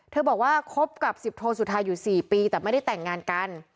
บอกว่าคบกับสิบโทสุธาอยู่๔ปีแต่ไม่ได้แต่งงานกัน